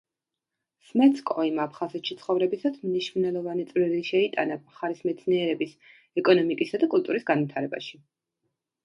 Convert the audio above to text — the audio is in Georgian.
სმეცკოიმ აფხაზეთში ცხოვრებისას მნიშვნელოვანი წვლილი შეიტანა მხარის მეცნიერების, ეკონომიკისა და კულტურის განვითარებაში.